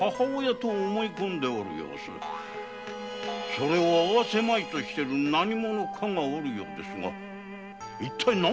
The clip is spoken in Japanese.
それを会わせまいとする何者かがおるようですが一体何のため？